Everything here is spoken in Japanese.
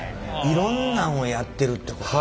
いろんなんをやってるってこと。